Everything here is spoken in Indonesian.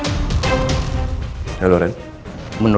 aku gua mah plein naja